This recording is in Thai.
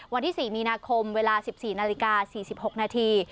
วันที่สี่มีนาคมเวลาสิบสี่นาฬิกาสี่สิบหกนาที